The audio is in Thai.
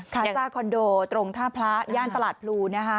พิซซ่าคอนโดตรงท่าพระย่านตลาดพลูนะคะ